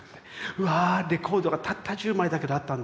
うわぁレコードがたった１０枚だけどあったんですよ。